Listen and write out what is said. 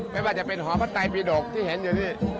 ไม่ว่าจะเป็นหอพระไตปีดกที่เห็นอยู่นี่